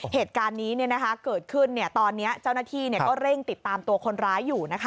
เหตุการณ์นี้เกิดขึ้นตอนนี้เจ้าหน้าที่ก็เร่งติดตามตัวคนร้ายอยู่นะคะ